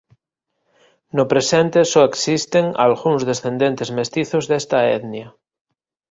No presente só existen algúns descendentes mestizos desta etnia.